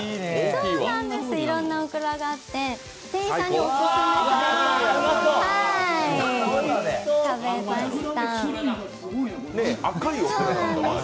いろんなオクラがあって、店員さんにオススメされて食べました。